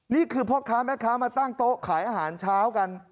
นี่คือพ่อค้าแม่ค้ามาตั้งโต๊ะขายอาหารเช้ากัน